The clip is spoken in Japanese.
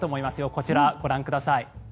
こちら、ご覧ください。